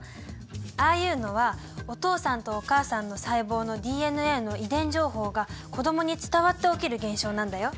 ああいうのはお父さんとお母さんの細胞のＤＮＡの遺伝情報が子どもに伝わって起きる現象なんだよ。